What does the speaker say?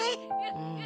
うん。